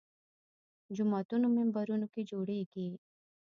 جوماتونو منبرونو کې جوړېږي